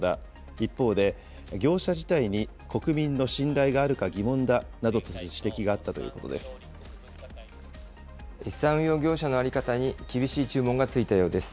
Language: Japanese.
一方で、業者自体に国民の信頼があるか疑問だとなどとする指摘があったと資産運用業者の在り方に厳しい注文がついたようです。